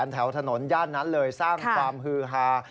แถวถนนย่านนั้นเลยสร้างความฮือฮา